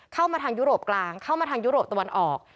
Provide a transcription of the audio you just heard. เข้ามาทางยุโรปกลางเข้ามาทางยุโรปตะวันออก